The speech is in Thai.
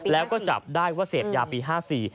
แล้วก็จับได้ว่าเสพยาปี๕๔